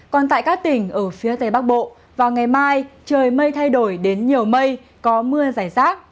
còn tại các tỉnh ở phía tây bắc bộ vào ngày mai trời mây thay đổi đến nhiều mây có mưa giải rác